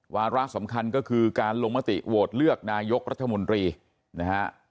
วาระสำคัญก็คือการลงมติโหวตเลือกนายกรัฐมนตรีนะฮะ